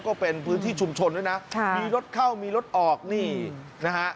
ก็เป็นพื้นที่ชุมชนด้วยนะมีรถเข้ามีรถออกนี่นะฮะ